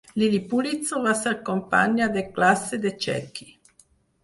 Lilly Pulitzer va ser companya de classe de Jackie.